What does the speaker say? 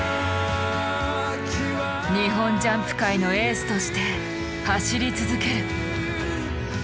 日本ジャンプ界のエースとして走り続ける。